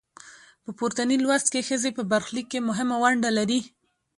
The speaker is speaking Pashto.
په پورتني لوست کې ښځې په برخلیک کې مهمه نډه لري.